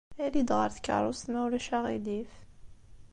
Ali-d ɣer tkeṛṛust, ma ulac aɣilif.